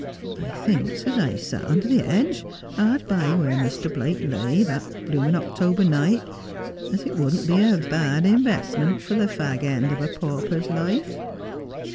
I thinks as 1 s.\t under the hedge — hard by where Muster Blake lay — that blooming 268 Just as I Am. October night, as it wouldn't be a bad mwestment for the fag end of a pauper's life.